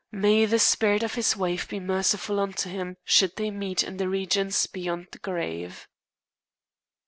May the spirit of his wife be merciful unto him should they meet in the regions beyond the grave."